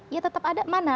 ya tetap ada mana